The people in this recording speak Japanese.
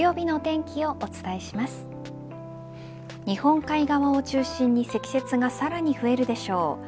日本海側を中心に積雪がさらに増えるでしょう。